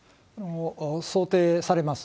想定されます。